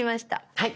はい。